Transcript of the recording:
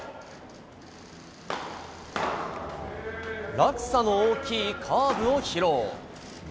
落差の大きいカーブを披露。